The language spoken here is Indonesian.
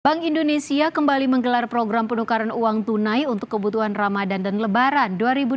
bank indonesia kembali menggelar program penukaran uang tunai untuk kebutuhan ramadan dan lebaran dua ribu dua puluh